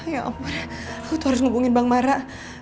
ya ampun aku tuh harus ngubungin bang mara